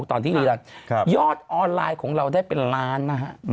ตอนที่รีรันดิ์ยอดออนไลน์ของเราได้เป็นล้านนะฮะ